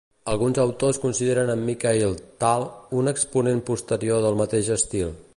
Alguns autors consideren en Mikhaïl Tal un exponent posterior del mateix estil.